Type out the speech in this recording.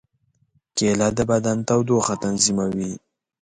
کېله د بدن تودوخه تنظیموي.